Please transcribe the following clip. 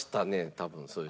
多分そういう。